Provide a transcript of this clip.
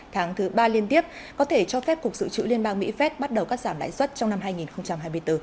tháng thứ ba liên tiếp có thể cho phép cục dự trữ liên bang mỹ phép bắt đầu cắt giảm lãi suất trong năm hai nghìn hai mươi bốn